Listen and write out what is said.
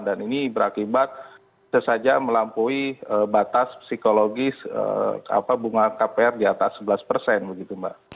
dan ini berakibat bisa saja melampaui batas psikologis bunga kpr di atas sebelas begitu mbak